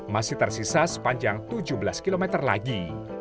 masih tersisa sepanjang tujuh belas km lagi